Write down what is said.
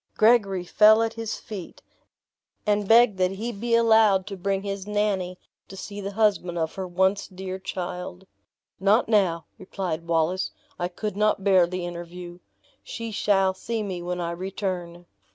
Gregory fell at his feet, and begged that he be allowed to bring his Nannie to see the husband of her once dear child. "Not now," replied Wallace, "I could not bear the interview she shall see me when I return."